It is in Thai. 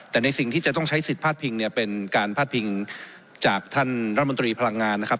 แต่ในสิ่งที่จะต้องใช้สิทธิพาดพิงเนี่ยเป็นการพาดพิงจากท่านรัฐมนตรีพลังงานนะครับ